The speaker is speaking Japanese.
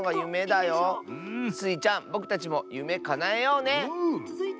スイちゃんぼくたちもゆめかなえようね！